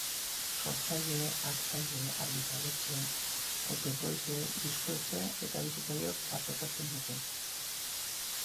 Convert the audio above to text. Sortzaile, hartzaile, argitaletxe, autoekoizle, diskoetxe eta bisitariok partekatzen dugu.